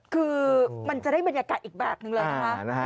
คือมันจะได้บรรยากาศอีกแบบนึงเลยนะคะ